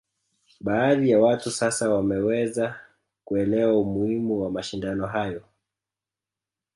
Baadhi ya watu sasa wameweza kuelewa umuhimu wa mashindano hayo